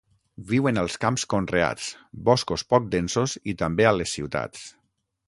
Viu en els camps conreats, boscos poc densos i també a les ciutats.